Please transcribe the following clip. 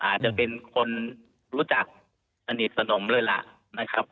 อาจจะเป็นคนรู้จักสนิทสนมเลยล่ะนะครับ